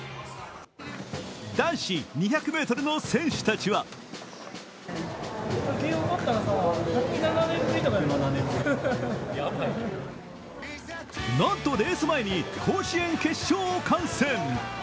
男子２００ｍの選手たちはなんとレース前に、甲子園決勝を観戦。